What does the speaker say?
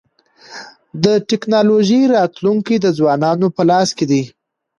د ټکنالوژی راتلونکی د ځوانانو په لاس کي دی.